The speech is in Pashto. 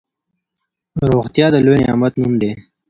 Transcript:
روغتيا د لوی نعمت نوم دی.